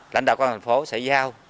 lãnh đạo quan hệ thành phố sẽ giao